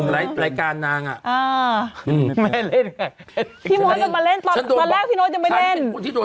ไม่พูดอย่างนี้เด้อ